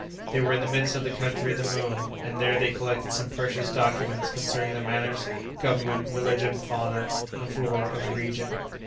They were in the midst of the country of the Moon, and there they collected some precious documents concerning the manners, government, religion, fauna, and flora of the region.